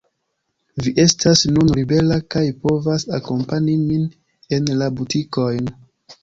Vi estas nun libera kaj povas akompani min en la butikojn.